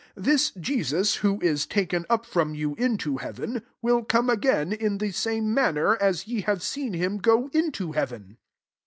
this Jesus, who is taken up from you into heaven, will come again in the same manner as ye have seen him go into heaven."